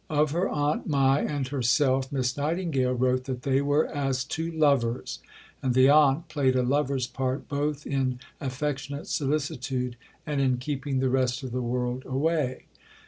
Of her Aunt Mai and herself, Miss Nightingale wrote that they were "as two lovers," and the aunt played a lover's part both in affectionate solicitude and in keeping the rest of the world away.